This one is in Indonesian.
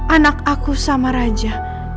anak aku sama raja